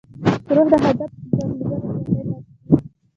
روح د هدف په درلودو ژوندی پاتې کېږي.